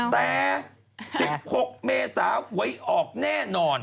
แต่๑๖เมษาหวยออกแน่นอน